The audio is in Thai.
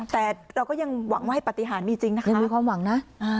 แต่เราก็ยังหวังว่าให้ปฏิหารมีจริงนะคะยังมีความหวังนะ